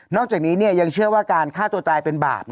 จากนี้ยังเชื่อว่าการฆ่าตัวตายเป็นบาป